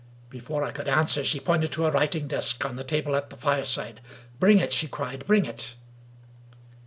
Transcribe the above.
Before I could answer, she pointed to her writing desk on the table at the fireside. "Bring it!" she cried, bring it!"